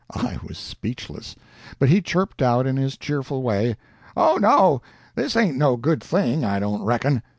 I was speechless, but he chirped out in his cheerful way: "Oh, no; this ain't no good thing, I don't reckon!"